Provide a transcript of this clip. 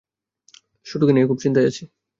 শুটুকে নিয়ে খুব চিন্তায় আছি।